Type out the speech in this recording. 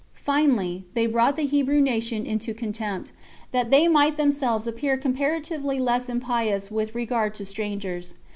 Finally, they brought the Hebrew nation into contempt, that they might themselves appear comparatively less impious with regard to strangers.